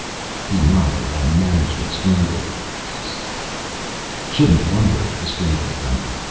He nodded and managed a strangled "Yes." "Shouldn't wonder," the stranger grunted.